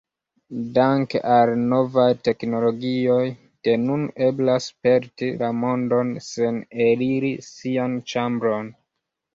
Danke al novaj teknologioj, de nun eblas sperti la mondon sen eliri sian ĉambron.